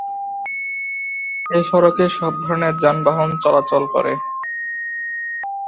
এ সড়কে সব ধরনের যানবাহন চলাচল করে।